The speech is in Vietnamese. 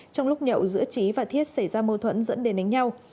trong lúc nhậu giữa trí và thiết xảy ra mâu thuẫn dẫn đến đánh nhau